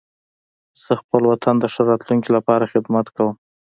زه خپل وطن د ښه راتلونکي لپاره خدمت کوم.